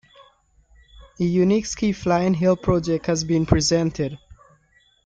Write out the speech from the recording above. A unique ski flying hill project has been presented.